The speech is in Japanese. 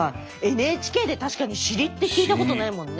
ＮＨＫで確かに尻って聞いたことないもんね。